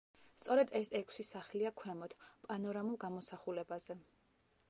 სწორედ ეს ექვსი სახლია ქვემოთ, პანორამულ გამოსახულებაზე.